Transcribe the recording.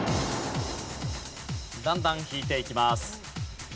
だんだん引いていきます。